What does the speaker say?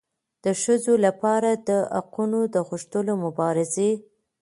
د ښځو لپاره د حقونو د غوښتلو مبارزې